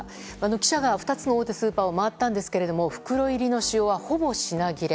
記者が２つの大手スーパーを回ったんですが袋入りの塩は、ほぼ品切れ。